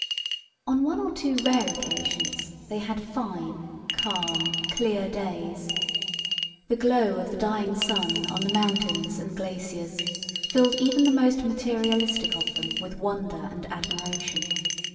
On one or two rare occasions they had fine, calm, clear days. The glow of the dying sun on the mountains and glaciers filled even the most materialistic of them with wonder and admiration.